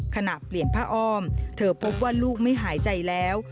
ขณะเปลี่ยนผ้าอ้อมเธอพบว่าลูกไม่หายใจแล้ว